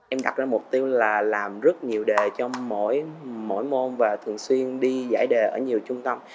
em đặt ra mục tiêu là làm rất nhiều đề trong mỗi môn và thường xuyên đi giải đề ở nhiều trung tâm